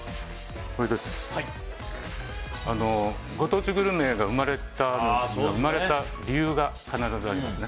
ご当地グルメが生まれた理由が必ずあります。